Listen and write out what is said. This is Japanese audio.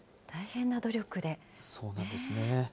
そうなんですね。